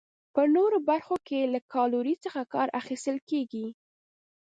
په نورو برخو کې له کالورۍ څخه کار اخیستل کیږي.